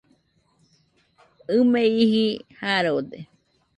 ɨ me iji Jarode